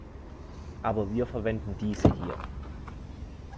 Aber wir verwenden diese hier.